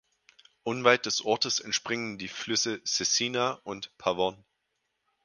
Unweit des Ortes entspringen die Flüsse "Cecina" und "Pavone".